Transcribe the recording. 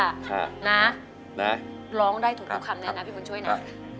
ค่ะนะร้องได้ถูกทุกคำนี้นะพี่ปุ๊นช่วยนะนะค่ะ